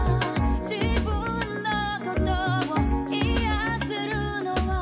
「自分のことを癒せるのは」